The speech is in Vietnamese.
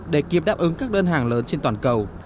để kịp đáp ứng các đơn hàng lớn trên toàn cầu